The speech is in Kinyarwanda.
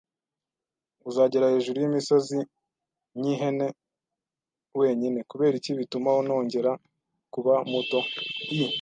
uzagera hejuru yimisozi nkihene wenyine. Kuberiki, bituma nongera kuba muto. I.